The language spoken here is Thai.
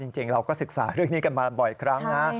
จริงเราก็ศึกษาเรื่องนี้กันมาบ่อยครั้งนะ